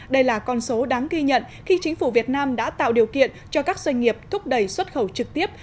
đây là con số đáng ghi nhận khi chính phủ việt nam đã tạo điều kiện cho các doanh nghiệp thúc đẩy xuất khẩu trực tiếp